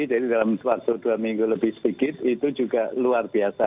dalam waktu dua minggu lebih sedikit itu juga luar biasa